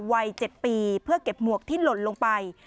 วัย๗ปีเพื่อเก็บหมวกที่หล่นลงไป